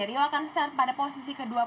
rio akan start pada posisi ke dua puluh